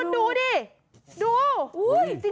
ดูดิ